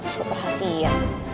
super hati ya